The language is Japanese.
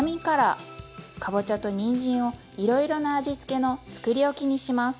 かぼちゃとにんじんをいろいろな味付けのつくりおきにします。